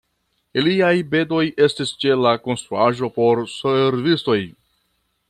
Iliaj bedoj estis ĉe la konstruaĵo por servistoj.